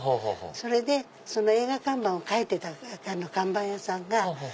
それでその映画看板を描いてた看板屋さん